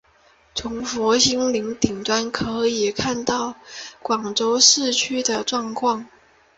从摩星岭顶端可以看到广州市区的状况。